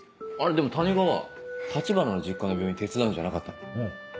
でも谷川橘の実家の病院手伝うんじゃなかったの？